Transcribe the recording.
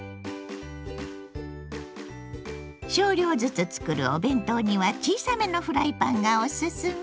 少量ずつ作るお弁当には小さめのフライパンがオススメ！